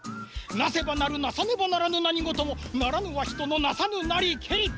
なせばなるなさねばならぬなにごともならぬはひとのなさぬなりけり。